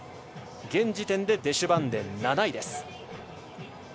現時点でデシュバンデン、７位です。